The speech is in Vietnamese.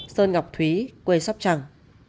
sơn ngọc thúy quê sóc trẳng